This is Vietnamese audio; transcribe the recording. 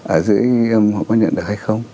ở dưới âm họ có nhận được hay không